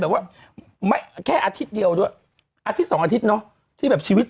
แต่ว่าไม่แค่อาทิตย์เดียวด้วยอาทิตย์สองอาทิตย์เนอะที่แบบชีวิต